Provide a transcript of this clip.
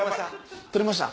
取れました？